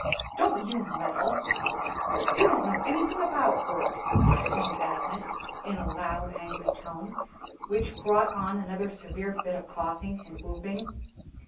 "Don't you meddle; you don't know anything about work!" exclaimed Agnes, in a loud, angry tone, which brought on another severe fit of coughing and whooping.